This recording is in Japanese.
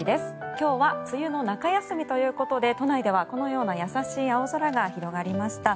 今日は梅雨の中休みということで都内ではこのような優しい青空が広がりました。